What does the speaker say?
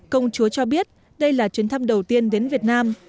công chúa cho biết đây là chuyến thăm đầu tiên đến việt nam